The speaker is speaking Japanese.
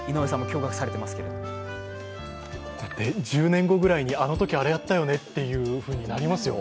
１０年後くらいに、あのときあれやったよねってなりますよ。